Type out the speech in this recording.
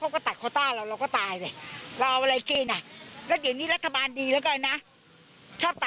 คนไม่ซื้อและค้าคนขายก็ถูงหมดเลย